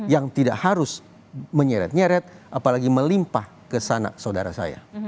yang tidak harus menyeret nyeret apalagi melimpah ke sana saudara saya